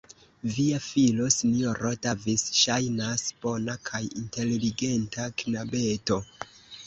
Via filo, Sinjoro Davis, ŝajnas bona kaj inteligenta knabeto.